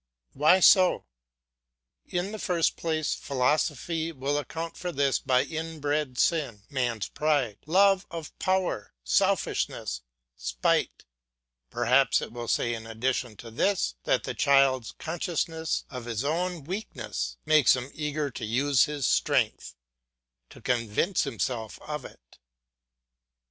Why so? In the first place philosophy will account for this by inbred sin, man's pride, love of power, selfishness, spite; perhaps it will say in addition to this that the child's consciousness of his own weakness makes him eager to use his strength, to convince himself of it.